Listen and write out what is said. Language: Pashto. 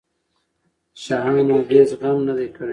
شاهانو د هغې غم نه دی کړی.